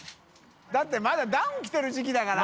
世辰まだダウン着てる時季だから。